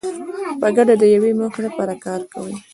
په ګډه د یوې موخې لپاره کار کوي.